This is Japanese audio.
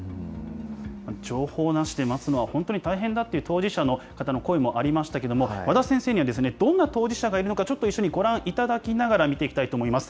情報なしで待つのは本当に大変だっていう、当事者の方の声もありましたけれども、和田先生にはどんな当事者がいるのか、ちょっと一緒にご覧いただきながら見ていきたいと思います。